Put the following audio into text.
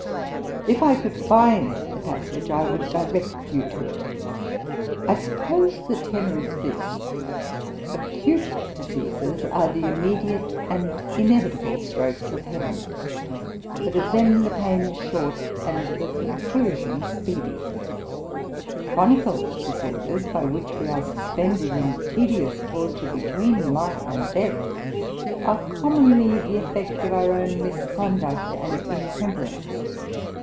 If I could find the passage, I would direct you to it. I suppose the tenour is this: 'Acute diseases are the immediate and inevitable strokes of Heaven; but of them the pain is short, and the conclusion speedy; chronical disorders, by which we are suspended in tedious torture between life and death, are commonly the effect of our own misconduct and intemperance.